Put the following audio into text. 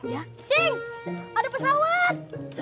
cing ada pesawat